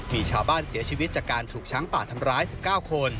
มีชาวบ้านเสียชีวิตจากการถูกช้างป่าทำร้าย๑๙คน